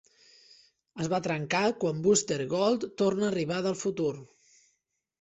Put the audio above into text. Es va trencar quan Booster Gold torna a arribar del futur.